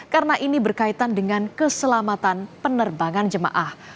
karena ini berkaitan dengan keselamatan penerbangan jemaah